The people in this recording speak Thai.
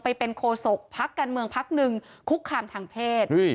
ไปเป็นโคศกพักการเมืองพักหนึ่งคุกคามทางเพศ